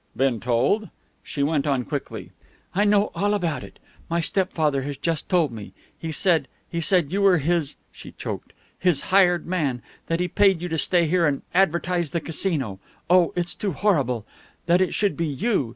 "Been told?" She went on quickly. "I know all about it. My stepfather has just told me. He said he said you were his " she choked "his hired man; that he paid you to stay here and advertise the Casino. Oh, it's too horrible! That it should be you!